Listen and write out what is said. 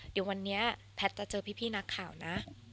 เดี๋ยววันนี้แพทย์จะเจอพี่นักข่าวนะ